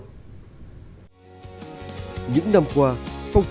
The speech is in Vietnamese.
những năm qua phong trào xã hội đã đạt được nhiều thông tin